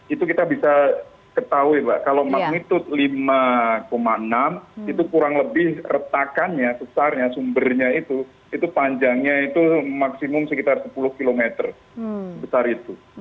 itu kita bisa ketahui kalau maknum itu lima enam itu kurang lebih retakannya sesarnya sumbernya itu panjangnya itu maksimum sekitar sepuluh km besar itu